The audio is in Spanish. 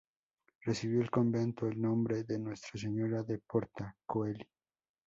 Recibió el convento el nombre de Nuestra Señora de Porta Coeli.